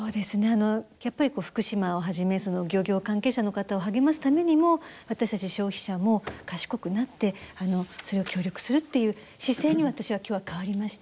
やっぱり福島をはじめ漁業関係者の方を励ますためにも私たち消費者も賢くなってそれを協力するっていう姿勢に私は今日は変わりました。